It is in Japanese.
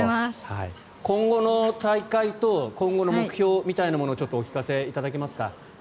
今後の大会と今後の目標みたいなものをちょっとお聞かせいただけますか？